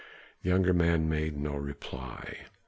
The younger man made no reply.